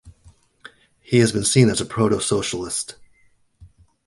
He has been seen as a proto-socialist.